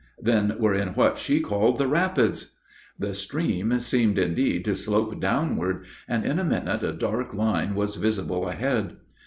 "Then we're in what she called the rapids!" The stream seemed indeed to slope downward, and in a minute a dark line was visible ahead.